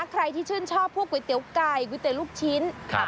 ใครที่ชื่นชอบพวกก๋วยเตี๋ยวไก่ก๋วยเตี๋ยวลูกชิ้น